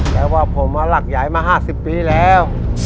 แต่ว่าผมรักยายมา๕๐ปีแล้ว